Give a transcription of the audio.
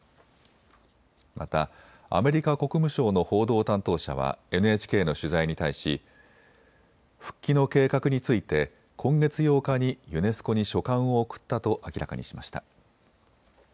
またアメリカ国務省の報道担当者はＮＨＫの取材に対し復帰の計画について今月８日にユネスコに書簡を送ったと明らかにしました。